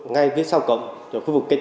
ngay phía sau cổng